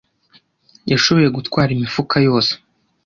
Yashoboye gutwara imifuka yose.